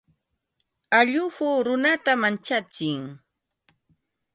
Alluqu runata manchatsin.